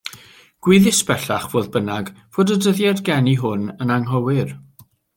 Gwyddys, bellach, fodd bynnag fod y dyddiad geni hwn yn anghywir.